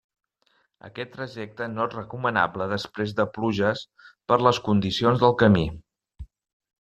Aquest trajecte no és recomanable després de pluges per les condicions del camí.